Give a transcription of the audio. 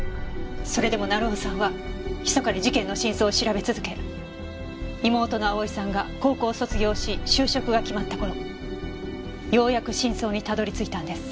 それでも成尾さんは密かに事件の真相を調べ続け妹の蒼さんが高校を卒業し就職が決まった頃ようやく真相にたどり着いたんです。